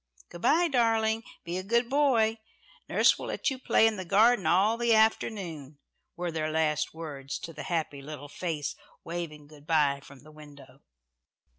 "Good bye, darling. Be a good boy. Nurse will let you play in the garden all the afternoon," were their last words to the happy little face waving good bye from the window.